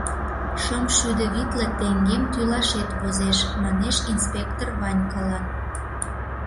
Шым шӱдӧ витле теҥгем тӱлашет возеш, — манеш инспектор Ванькалан.